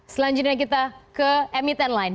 selanjutnya kita ke emiten lain